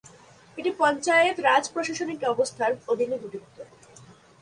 এটি পঞ্চায়েত রাজ প্রশাসনিক ব্যবস্থার অধীনে গঠিত।